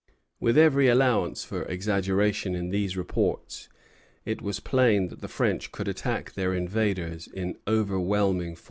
With every allowance for exaggeration in these reports, it was plain that the French could attack their invaders in overwhelming force.